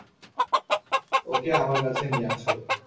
ওকে আমার কাছে নিয়ে আসো!